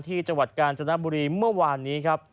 จังหวัดกาญจนบุรีเมื่อวานนี้ครับ